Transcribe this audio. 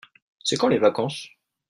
C'est quand les vacances ?